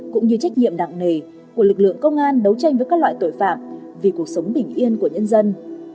cũng như trách nhiệm đặng nề của lực lượng công an đấu tranh với các loại tội phạm vì cuộc sống bình yên của nhân dân